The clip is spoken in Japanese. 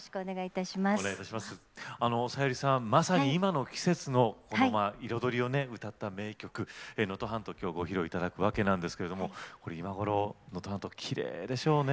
まさに今の季節のこのまあ彩りをね歌った名曲「能登半島」を今日ご披露いただくわけなんですけれども今頃能登半島きれいでしょうね。